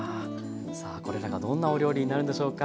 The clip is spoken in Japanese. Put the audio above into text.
さあこれらがどんなお料理になるんでしょうか。